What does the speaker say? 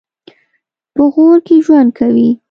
په غور کې ژوند کوي.